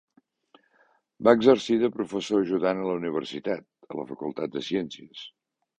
Va exercir de professor ajudant a la Universitat, a la Facultat de Ciències.